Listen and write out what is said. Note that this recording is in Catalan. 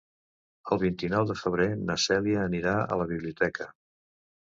El vint-i-nou de febrer na Cèlia anirà a la biblioteca.